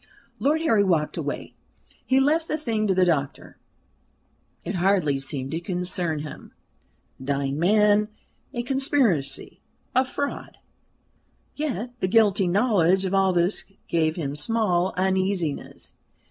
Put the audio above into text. Lord Harry walked away. He left the thing to the doctor. It hardly seemed to concern him. A dying man; a conspiracy; a fraud: yet the guilty knowledge of all this gave him small uneasiness.